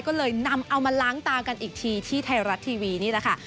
ก็เลยนำเอามาล้างตากันอีกทีที่ไทยรัฐทีวีนี่แหละค่ะ